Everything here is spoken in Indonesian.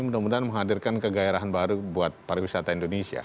mudah mudahan menghadirkan kegairahan baru buat pariwisata indonesia